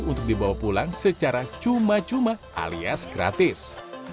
untuk dibawa pulang secara cuma cuma alias gratis